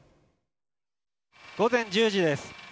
午前１０時です。